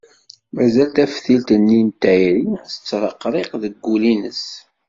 Mazal taftilt-nni n tayri tettreqriq deg wul-ines.